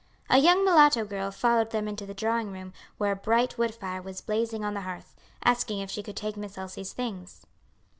A young mulatto girl followed them into the drawing room, where a bright wood fire was blazing on the hearth, asking if she should take Miss Elsie's things.